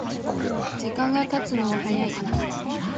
時間がたつのは早い